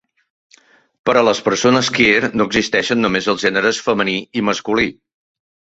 Per a les persones "queer", no existeixen només els gèneres femení i masculí.